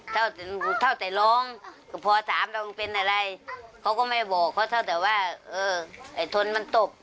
เท่าเท่าแต่ร้องก็พอถามแล้วมันเป็นอะไรเขาก็ไม่บอกเขาเท่าแต่ว่าเออไอ้ทนมันตบ